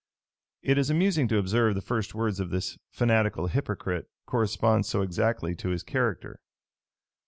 [] It is amusing to observe the first words of this fanatical hypocrite correspond so exactly to his character.